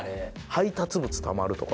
配達物たまるとか。